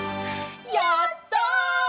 やった！